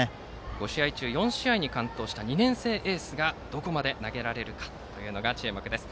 ５試合中４試合に完投した２年生エースがどこまで投げられるかというのが注目です。